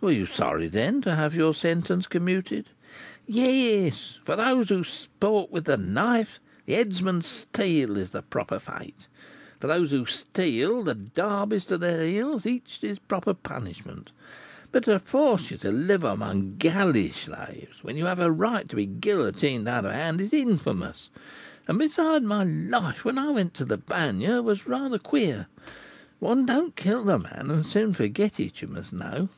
"Were you sorry, then, to have your sentence commuted?" "Yes; for those who sport with the knife, the headsman's steel is the proper fate; for those who steal, the 'darbies' to their heels: each his proper punishment. But to force you to live amongst galley slaves, when you have a right to be guillotined out of hand, is infamous; and, besides, my life, when I first went to the Bagne, was rather queer; one don't kill a man, and soon forget it, you must know."